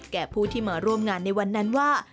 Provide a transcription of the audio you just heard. แก่ผู้ที่มาร่วมงานในวันนั้นว่า